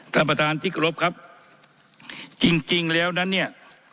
ท่านประธานที่กรบครับจริงจริงแล้วนั้นเนี่ย